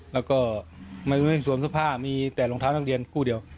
แล้วก็ไม่สวมเสื้อผ้ามีแต่รองเท้านักเรียนคู่เดียว